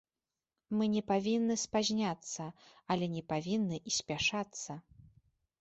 Мы не павінны спазняцца, але не павінны і спяшацца.